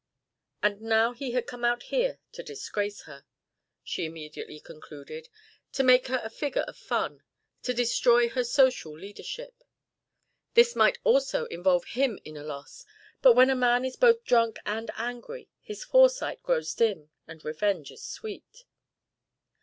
And now he had come out here to disgrace her, she immediately concluded, to make her a figure of fun, to destroy her social leadership. This might also involve him in a loss, but when a man is both drunk and angry his foresight grows dim and revenge is sweet.